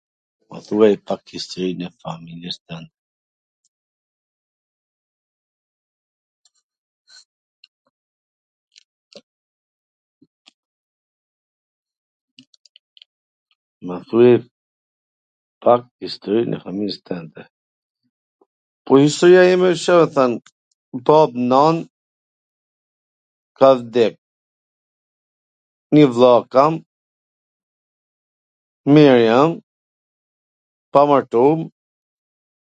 Mw thuaj pak historin e familjes twnde. Po historia ime Ca me thwn. Bab, nan, ka vdek. Nji vlla kam, mir jam, pamartum.